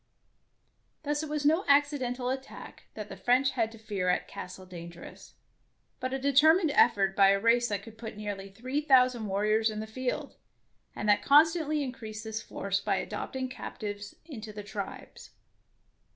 Thus it was no accidental attack that the French had to fear at " Castle Dangerous," but a determined effort by a race that could put nearly three thousand warriors in the field, and that constantly increased this force by adopting captives into the tribes.